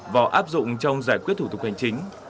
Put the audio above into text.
vào áp dụng trong giải quyết thủ tục hành chính